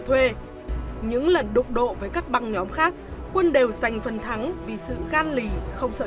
thuê những lần đụng độ với các băng nhóm khác quân đều giành phần thắng vì sự gan lỉ không sợ